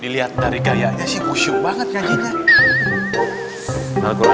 lihat dari kayaknya sih kusium banget